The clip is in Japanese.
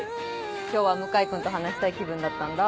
今日は向井君と話したい気分だったんだ。